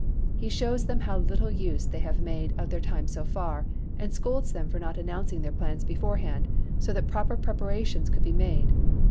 He shows them how little use they have made of their time so far, and scolds them for not announcing their plans beforehand, so that proper preparations could be made.